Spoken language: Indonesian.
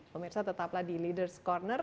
pemirsa tetaplah di leaders corner